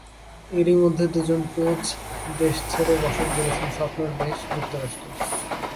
এরই মধ্যে দুজন কোচ দেশ ছেড়ে বসত গড়েছেন স্বপ্নের দেশ যুক্তরাষ্ট্রে।